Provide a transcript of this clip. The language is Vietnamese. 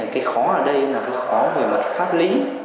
cái khó ở đây là cái khó về mặt pháp lý